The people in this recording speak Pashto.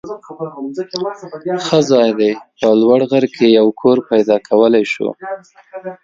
ښه ځای دی. لوړ په غر کې یو کور پیدا کولای شو.